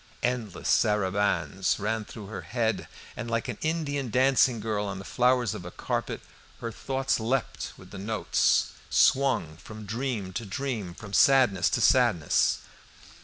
Endless sarabands ran through her head, and, like an Indian dancing girl on the flowers of a carpet, her thoughts leapt with the notes, swung from dream to dream, from sadness to sadness.